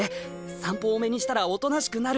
散歩多めにしたらおとなしくなる。